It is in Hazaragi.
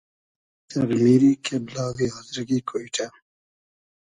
سئر میری کېبلاغی آزرگی کۉیݖۂ